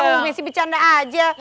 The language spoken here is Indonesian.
bu messi bercanda aja